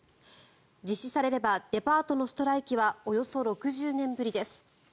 実施されればデパートのストライキはおよそ６０年ぶりです。